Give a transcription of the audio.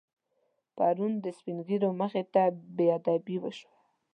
پرون د سپینږیرو مخې ته بېادبي وشوه.